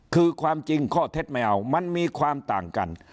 คือความจริงข้อเท็จจริงไม่เอามันมีความต่างกัน